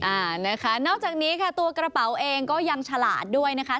อ่านะคะนอกจากนี้ค่ะตัวกระเป๋าเองก็ยังฉลาดด้วยนะคะ